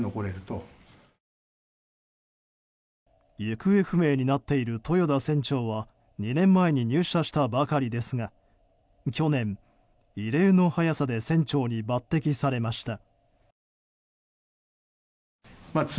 行方不明になっている豊田船長は２年前に入社したばかりですが去年、異例の早さで船長に抜擢されました。